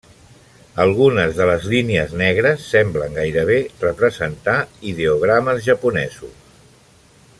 Algunes de les línies negres semblen gairebé representar ideogrames japonesos.